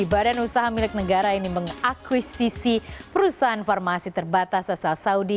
badan usaha milik negara ini mengakuisisi perusahaan farmasi terbatas asal saudi